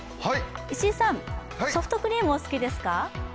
石井さん、ソフトクリームお好きですか？